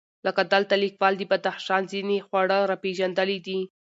لکه دلته لیکوال د بدخشان ځېنې خواړه راپېژندلي دي،